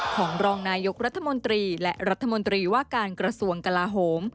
ของรองนายกรัฐมนตรีและรัฐมนตรีว่าการกระทรวงกลาโหม